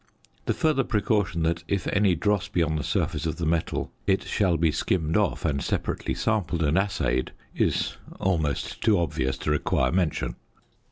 The further precaution that if any dross be on the surface of the metal it shall be skimmed off and separately sampled and assayed is almost too obvious to require mention.